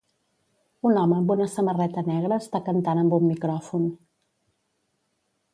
un home amb una samarreta negra està cantant amb un micròfon.